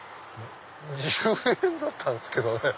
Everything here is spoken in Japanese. １０円だったんですけどね。